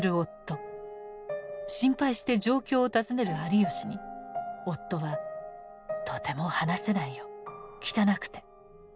心配して状況を尋ねる有吉に夫は「とても話せないよ汚くて」と苦笑したといいます。